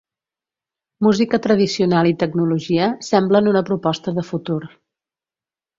Música tradicional i tecnologia semblen una proposta de futur.